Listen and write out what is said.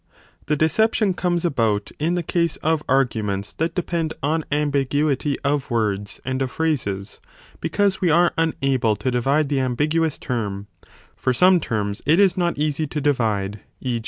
The deception comes about in the case of arguments that 7 depend on ambiguity of words and of phrases because we are unable to divide the ambiguous term (for some terms it is not easy to divide, e.